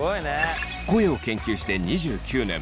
声を研究して２９年。